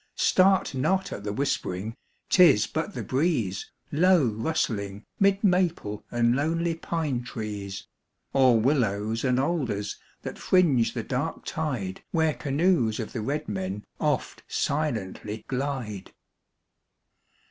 Start not at the whispering, 'tis but the breeze, Low rustling, 'mid maple and lonely pine trees, Or willows and alders that fringe the dark tide Where canoes of the red men oft silently glide.